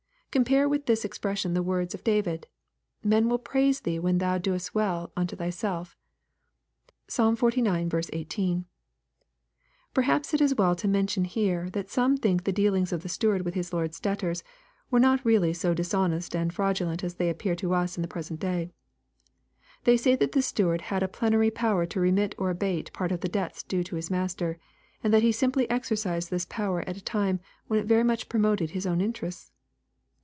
Compare with this expression the words of David, " Men wiD praise thee when thou doest well unto thyself." (Psa. xlix. 18.) Perhaps it is well to mention here, that some think the dealings of the steward with his lord's debtors were not really so dishonest and fraudulent as they appear to us in the present day. They say that this steward had a plenary power to remit or abate part of the debts due to his master, and that he simply exercised this power at a time when it very much promoted his own interests.